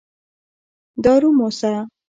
دارو موسه.